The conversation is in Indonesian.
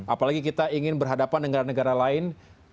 apalagi kita ingin berhadapan dengan negara lain